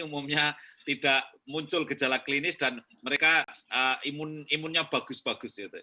umumnya tidak muncul gejala klinis dan mereka imun imunnya bagus bagus